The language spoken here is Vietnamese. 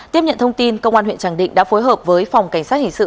tiếp nhận thông tin công an huyện tràng định đã phối hợp với phòng cảnh sát hình sự